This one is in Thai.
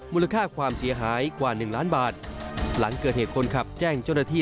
มูลค่าความเสียหายกว่าหนึ่งล้านบาทหลังเกิดเหตุคนขับแจ้งเจ้าหน้าที่